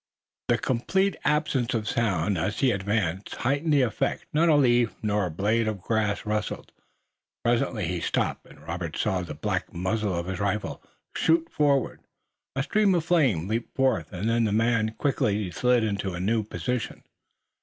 The complete absence of sound, as he advanced, heightened the effect. Not a leaf nor a blade of grass rustled. Presently he stopped and Robert saw the black muzzle of his rifle shoot forward. A stream of flame leaped forth, and then the man quickly slid into a new position.